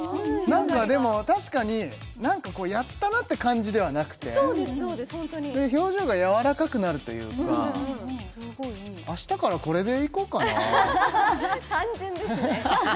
何かでも確かに何かこうやったなって感じではなくて表情がやわらかくなるというか明日からこれでいこうかな単純ですね